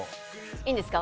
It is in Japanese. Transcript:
いいんですか？